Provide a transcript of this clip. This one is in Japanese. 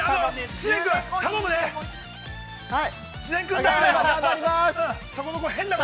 ◆知念君、頼むねー。